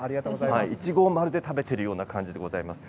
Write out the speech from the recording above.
いちごをまるで食べているような感じでございます。